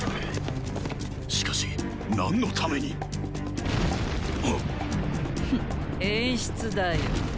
しかし何のために⁉フッ演出だよ。